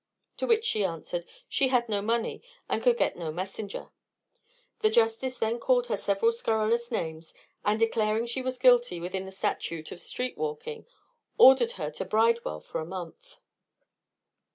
to which she answered, she had no money, and could get no messenger. The justice then called her several scurrilous names, and, declaring she was guilty within the statute of street walking, ordered her to Bridewell for a month.